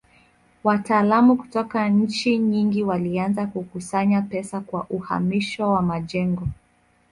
Wataalamu kutoka nchi nyingi walianza kukusanya pesa kwa uhamisho wa majengo.